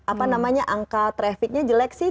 apa namanya angka trafficnya jelek sih